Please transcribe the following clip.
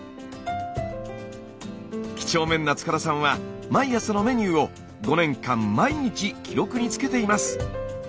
きちょうめんな塚田さんは毎朝のメニューを５年間毎日記録につけています。